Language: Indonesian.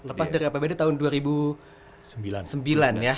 lepas dari apbd tahun dua ribu sembilan ya